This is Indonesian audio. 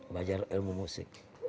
belajar ilmu musik